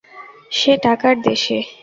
সে টাকা দেশের।